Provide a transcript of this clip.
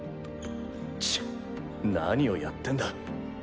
チッ何をやってんだ。